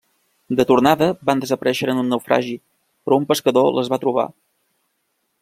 De tornada van desaparèixer en un naufragi, però un pescador les va trobar.